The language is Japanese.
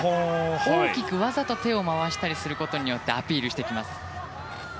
大きくわざと手を回すことによってアピールしてきます。